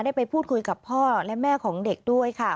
ได้ไปพูดคุยกับพ่อและแม่ของเด็กด้วยค่ะ